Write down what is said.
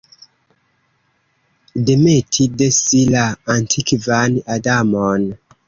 Demeti de si la antikvan Adamon.